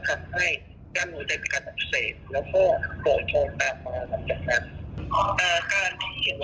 การมึงใจสัดเลือดกระทัดภัณฑ์